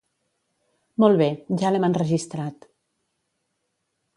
Molt bé, ja l'hem enregistrat.